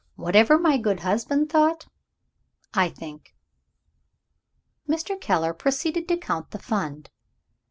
"Whatever my good husband thought, I think." Mr. Keller proceeded to count the Fund.